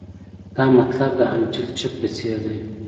تا مطلب د انټیل چپ په څیر دی